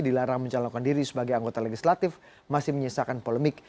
dilarang mencalonkan diri sebagai anggota legislatif masih menyisakan polemik